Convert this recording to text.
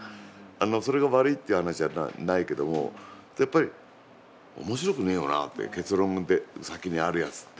それが悪いっていう話じゃないけどもやっぱり面白くねぇよなって結論先にあるやつって。